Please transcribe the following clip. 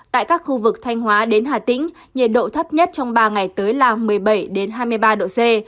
tại các khu vực thanh hóa đến hà tĩnh nhiệt độ thấp nhất trong ba ngày tới là một mươi bảy hai mươi ba độ c